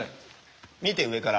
見て上から。